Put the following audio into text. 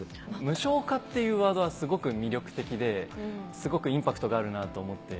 無償化というワードは魅力的ですごくインパクトがあるなと思って。